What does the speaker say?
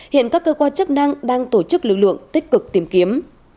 hiện các cơ quan chức năng đang tổ chức lực lượng tích cực tìm kiếm